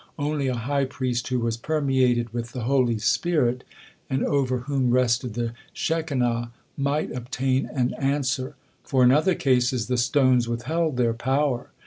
Only a high priest who was permeated with the Holy Spirit, and over whom rested the Shekinah, might obtain an answer, for in other cases the stones withheld their power.